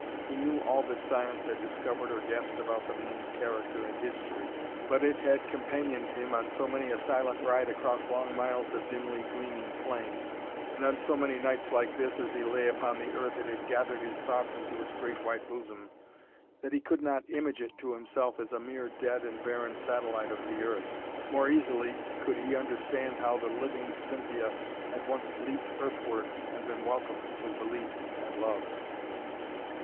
He knew all that science had discovered or guessed about the moon's character and history. But it had companioned him on so many a silent ride across long miles of dimly gleaming plain, and on so many nights like this as he lay upon the earth it had gathered his thoughts into its great white bosom, that he could not image it to himself as a mere dead and barren satellite of the earth. More easily could he understand how the living Cynthia had once leaped earthward and been welcomed with belief and love.